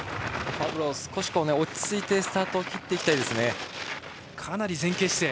フェブロ、少し落ち着いてスタートを切っていきたいです。